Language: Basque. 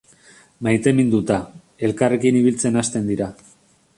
Maiteminduta, elkarrekin ibiltzen hasten dira.